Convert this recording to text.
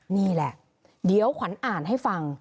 นี่แหละเดี๋ยวขวัญอ่านให้ฟัง